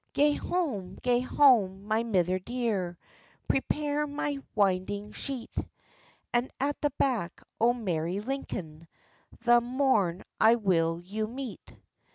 "Gae hame, gae hame, my mither dear, Prepare my winding sheet, And at the back o merry Lincoln The morn I will you meet."